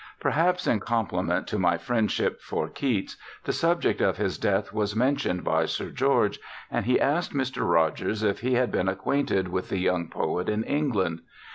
Perhaps in compliment to my friendship for Keats, the subject of his death was mentioned by Sir George, and he asked Mr. Rogers if he had been acquainted with the young poet in England.